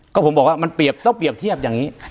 ก็ผมบอกว่ามันเปรียบต้องเปรียบเทียบอย่างนี้